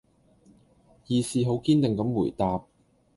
義士好堅定咁回答